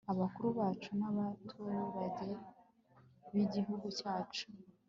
abakuru bacu n'abaturage b'igihugu cyacu